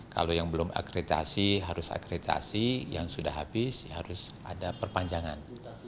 kalau yang belum akreditasi harus akreditasi yang sudah habis harus ada perpanjangan